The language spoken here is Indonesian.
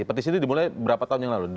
petisi ini dimulai berapa tahun yang lalu